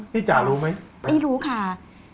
พี่จ๋ารู้ไหม